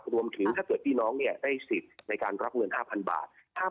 ถ้าเกิดพี่น้องได้สิทธิ์ในการรับเงิน๕๐๐บาท